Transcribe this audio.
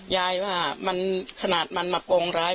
ยายไม่ไม่มันขนาดมันมาปลงร้าย